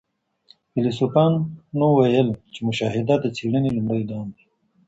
فيلسوفانو ويل چي مشاهده د څېړنې لومړی ګام دی.